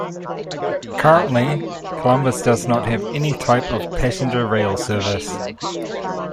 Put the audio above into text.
Currently, Columbus does not have any type of passenger rail service.